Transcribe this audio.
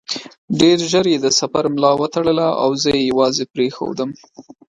ډېر ژر یې د سفر ملا وتړله او زه یې یوازې پرېښودم.